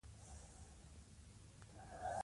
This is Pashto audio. دوی د بریالیتوب پر لمر خپل نوم ولیکه.